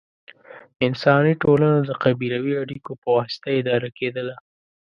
انساني ټولنه د قبیلوي اړیکو په واسطه اداره کېدله.